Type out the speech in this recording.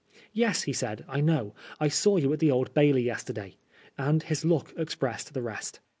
" Yes," he said, " I know ; I saw you at the Old Bailey yesterday," and his look expressed the rest.